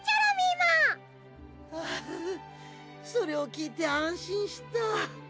はあふっそれをきいてあんしんした。